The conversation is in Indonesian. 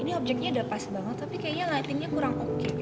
ini objeknya udah pas banget tapi kayaknya lightingnya kurang oke